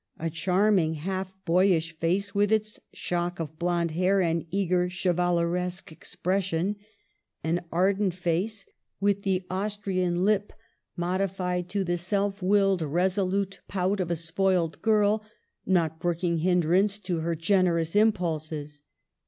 A charming, half boyish face, with its shock of blond hair and eager chevaleresque expression ; an ardent face, with the Austrian THE CAPTIVITY. 89 lip modified to the self willed, resolute pout of a spoiled girl, not brooking hindrance to her gen erous impulses.